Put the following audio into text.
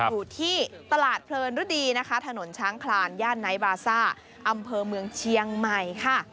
อยู่ที่ตลาดเพลินฤดีนะคะถนนช้างคลานย่านไนท์บาซ่าอำเภอเมืองเชียงใหม่ค่ะ